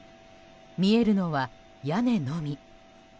見えるのは屋根のみ。